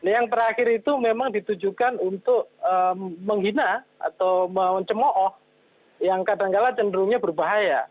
yang terakhir itu memang ditujukan untuk menghina atau mau cemoh yang kadang kadang cenderungnya berbahaya